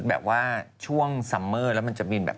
แบบว่าช่วงซัมเมอร์แล้วมันจะบินแบบ